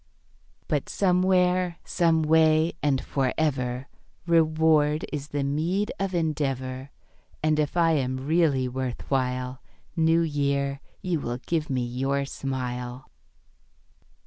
But somewhere, some way, and for ever Reward is the meed of endeavour; And if I am really worth while, New Year, you will give me your smile.